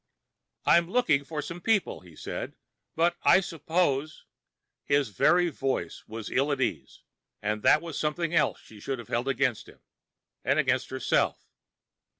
"I'm looking for some people," he said. "But I suppose " His very voice was ill at ease, and that was something else she should have held against him. And against herself.